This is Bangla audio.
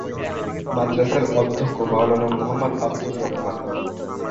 মাদ্রাসার অধ্যক্ষ মাওলানা মুহাম্মদ আবদুর রহমান।